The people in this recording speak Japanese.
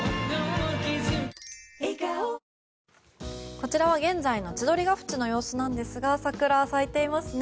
こちらは現在の千鳥ヶ淵の様子なんですが桜、咲いていますね。